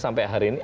sampai hari ini